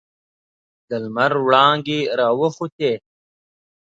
د لمر وړانګې راوخوتې.